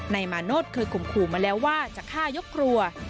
นายมาโนธเคยข่มขู่มาแล้วว่าจะฆ่ายกครัว